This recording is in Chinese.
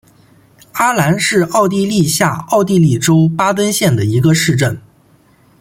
阿兰是奥地利下奥地利州巴登县的一个市镇。